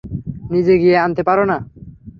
নিজে গিয়ে আনতে পারো না?